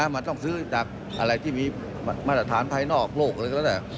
มันต้องซื้อจากอะไรที่มีมาตรฐานภายนอกโลกอะไรก็ได้